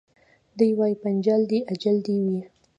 دی وايي پنچال دي اجل دي وي